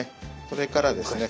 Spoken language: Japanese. それからですね